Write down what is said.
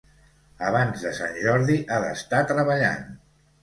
Abans de Sant Jordi ha d'estar treballant.